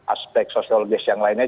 aspek sosiologis yang lainnya